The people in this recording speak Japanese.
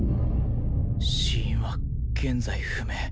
死因は現在不明